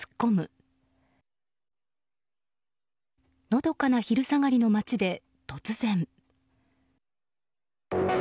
のどかな昼下がりの町で突然。